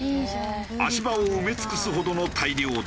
足場を埋め尽くすほどの大漁だ。